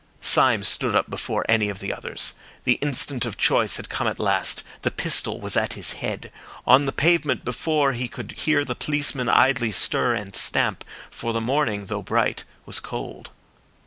Syme stood up before any of the others. The instant of choice had come at last, the pistol was at his head. On the pavement before he could hear the policeman idly stir and stamp, for the morning, though bright, was cold.